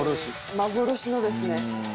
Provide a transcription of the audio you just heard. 幻のですね。